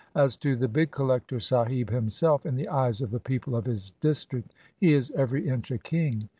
As to the big collector sahib himself, in the eyes of the people of his district he is every inch a king.